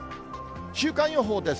週間予報です。